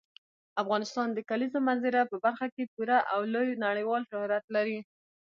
افغانستان د کلیزو منظره په برخه کې پوره او لوی نړیوال شهرت لري.